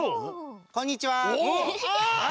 こんにちは。ああ！